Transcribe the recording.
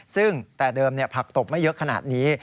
ซึ่งแต่เดิมผักตบไม่เยอะขนาดนี้